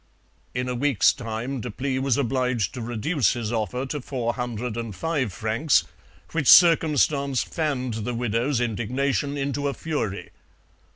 In a week's time Deplis was obliged to reduce his offer to 405 francs, which circumstance fanned the widow's indignation into a fury.